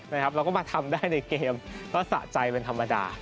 เราก็มาทำได้ในเกมก็สะใจเป็นธรรมดา